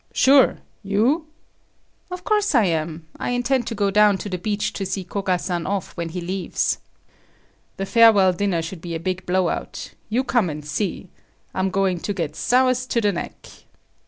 "Sure. You?" "Of course I am. I intend to go down to the beach to see Koga san off when he leaves." "The farewell dinner should be a big blow out. You come and see. I'm going to get soused to the neck."